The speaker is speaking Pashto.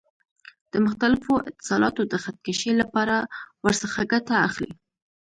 د مختلفو اتصالاتو د خط کشۍ لپاره ورڅخه ګټه اخلي.